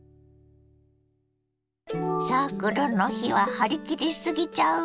サークルの日は張り切り過ぎちゃうわね。